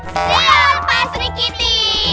siap pak sri kitty